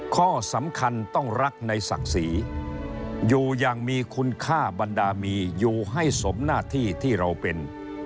ข้อสำคัญต้องรักในศักดิ์ศรีอยู่อย่างมีคุณค่าบรรดามีอยู่ให้สมหน้าที่ที่เราเป็น